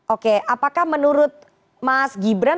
oke apakah menurut mas gibran